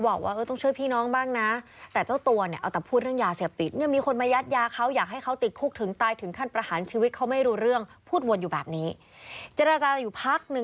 บอกว่าต้องเชิญพี่น้องบ้างนะแต่เจ้าตัวน่ะอาจจะพูดเรื่องอย่าเสียปิดมึงที่คนมายัดยาเขาอยากให้เขาติดคุกถึงตายถึงขั้นประหารชีวิตของไม่รู้